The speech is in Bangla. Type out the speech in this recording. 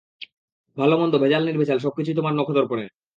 ভাল-মন্দ, ভেজাল-নির্ভেজাল সবকিছুই তোমার নখদর্পণে।